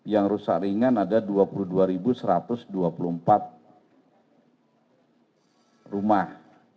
yang rusak ringan ada dua puluh dua satu ratus dua puluh empat rumah